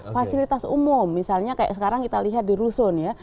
fasilitas umum misalnya kayak sekarang kita lihat di rusun ya